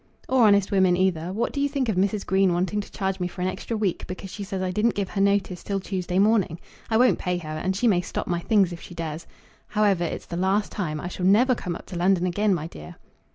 "Or honest women either. What do you think of Mrs. Green wanting to charge me for an extra week, because she says I didn't give her notice till Tuesday morning? I won't pay her, and she may stop my things if she dares. However, it's the last time. I shall never come up to London again, my dear."